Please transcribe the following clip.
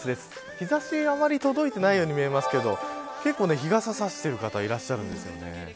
日差しはあまり届いてないように見えますけど結構、日傘を差してる方いらっしゃるんですよね。